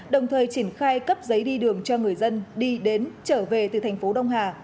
đồng thời triển khai cấp giấy đi đường cho người dân đi đến trở về từ thành phố đông hà